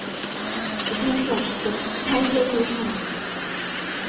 うちの人はきっと大成する人なんです。